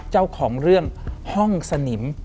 เจ้าของเรื่องห้องสนิม